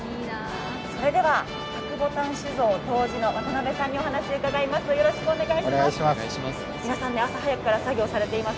それでは白牡丹酒造杜氏の渡邉さんにお話を伺います。